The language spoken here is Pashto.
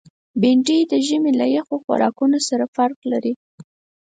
بېنډۍ د ژمي له یخو خوراکونو سره فرق لري